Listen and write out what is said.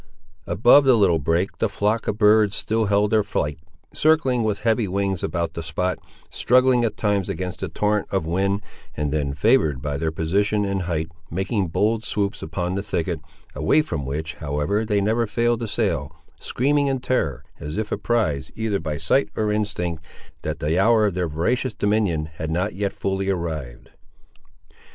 Above the little brake, the flocks of birds still held their flight, circling with heavy wings about the spot, struggling at times against the torrent of wind, and then favoured by their position and height, making bold swoops upon the thicket, away from which, however, they never failed to sail, screaming in terror, as if apprised, either by sight or instinct, that the hour of their voracious dominion had not yet fully arrived.